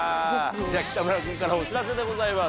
北村君からお知らせでございます。